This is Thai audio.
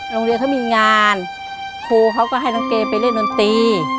โรงเรียนเขามีงานครูเขาก็ให้น้องเกย์ไปเล่นดนตรี